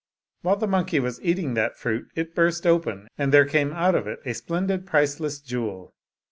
While the monkey was eat ing that fruit, it burst open, and there came out of it a splendid priceless jewel.